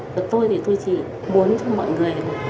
từ tôi thì tôi chỉ muốn cho mọi người